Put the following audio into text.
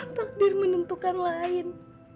takdir menentukan lain